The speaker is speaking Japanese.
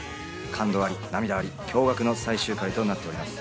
感動あり、涙あり、驚愕の最終回となっております。